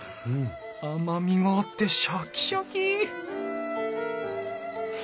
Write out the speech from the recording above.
甘みがあってシャキシャキ！